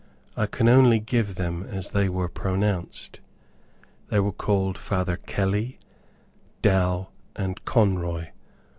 I can only give them as they were pronounced. They were called Father Kelly, Dow, and Conroy.